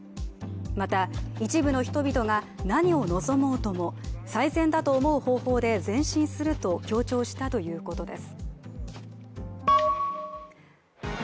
また一部の人々が何を望もうとも最善と思う方法で前進すると強調したということです。